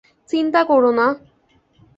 চিন্তা করো না।